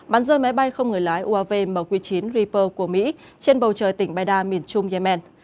bắn rơi máy bay không người lái uav mq chín riper của mỹ trên bầu trời tỉnh biden miền trung yemen